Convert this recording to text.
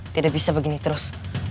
tidak bisa begini terus